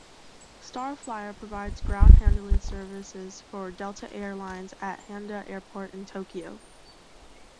StarFlyer provides ground handling services for Delta Air Lines at Haneda Airport in Tokyo.